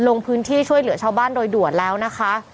ลงพื้นที่ช่วยเหลือชาวบ้านโดยด่วนแล้วนะคะ